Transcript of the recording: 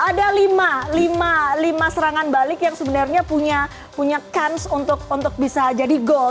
ada lima serangan balik yang sebenarnya punya kans untuk bisa jadi gol